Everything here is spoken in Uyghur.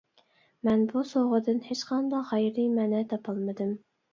مەن بۇ سوۋغىدىن ھېچقانداق غەيرىي مەنە تاپالمىدىم.